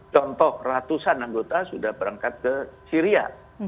contoh ratusan anggota sudah berangkat ke syria